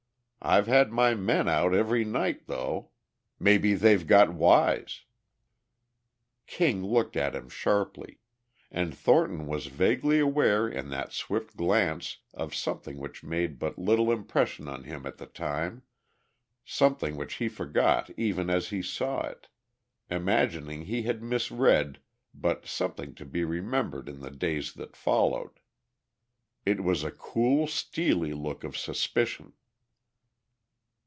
I've had my men out every night, though. Maybe they've got wise." King looked at him sharply. And Thornton was vaguely aware in that swift glance of something which made but little impression on him at the time, something which he forgot even as he saw it, imagining he had misread but something to be remembered in the days that followed: it was a cool, steely look of suspicion.